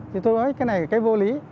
thì tôi nói cái này cái vô lý